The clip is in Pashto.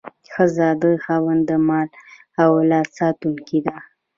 ښځه د خاوند د مال او اولاد ساتونکې ده.